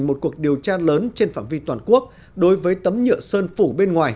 một cuộc điều tra lớn trên phạm vi toàn quốc đối với tấm nhựa sơn phủ bên ngoài